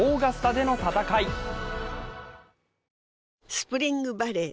スプリングバレー